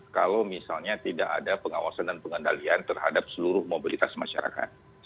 kalau misalnya tidak ada pengawasan dan pengendalian terhadap seluruh mobilitas masyarakat